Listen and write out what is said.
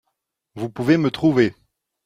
Vous pouvez me trouver.